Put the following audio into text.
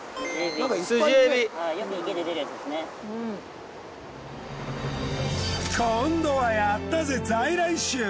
今度はやったぜ在来種。